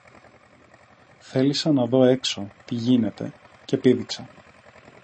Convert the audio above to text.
Θέλησα να δω έξω, τι γίνεται, και πήδηξα